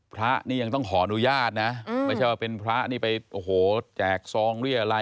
พระนี่ยังต้องขออนุญาตนะไม่ใช่ว่าเป็นพระนี่ไปโอ้โหแจกซองเรียอะไร